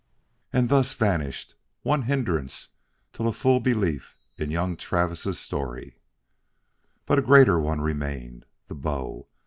And thus vanished one hindrance to a full belief in young Travis' story. But a greater one remained. The bow!